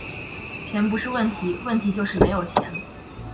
钱不是问题，问题就是没有钱